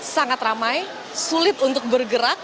sangat ramai sulit untuk bergerak